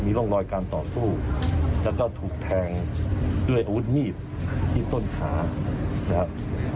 ร่องรอยการต่อสู้แล้วก็ถูกแทงด้วยอาวุธมีดที่ต้นขานะครับ